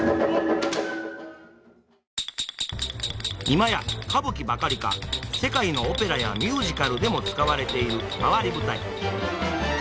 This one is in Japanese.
今や歌舞伎ばかりか世界のオペラやミュージカルでも使われている回り舞台。